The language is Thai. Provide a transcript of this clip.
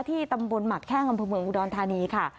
ที่ตำบลหมัดแค่งำพรเมืองอุดรธานีค่ะ